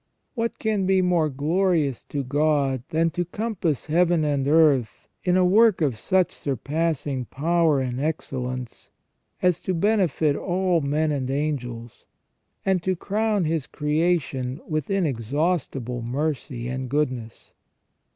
What can be more glorious to God than to compass Heaven and earth in a work of such surpassing power and excellence as to benefit all men and angels, and to crown His creation with inexhaustible mercy and goodness